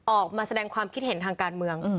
ออกมาแสดงความคิดเห็นทางการเมือง